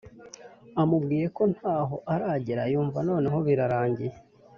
amubwiye ko ntaho aragera yumv noneho birarangiye